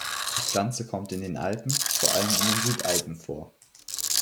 Die Pflanze kommt in den Alpen, vor allem in den Südalpen vor.